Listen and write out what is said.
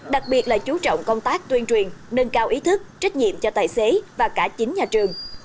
đặc biệt là chú trọng công tác tuyên truyền nâng cao ý thức trách nhiệm cho tài xế và cả chính nhà trường